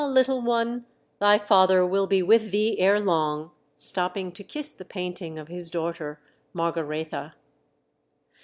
little one, thy father will be with thee ere long," stopping to kiss the painting of his daughter Margaretha.